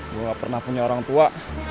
gue pernah punya orang tua